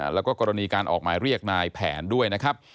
แล้วก็กรณีการออกหมายเรียกนายแผนด้วยนะครับ